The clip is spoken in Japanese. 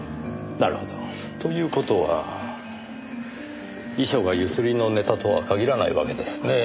なるほど。という事は遺書が強請りのネタとは限らないわけですねぇ。